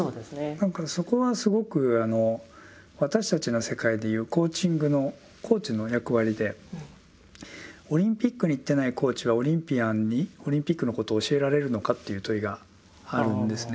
何かそこはすごく私たちの世界でいうコーチングのコーチの役割でオリンピックに行ってないコーチはオリンピアンにオリンピックのことを教えられるのかという問いがあるんですね。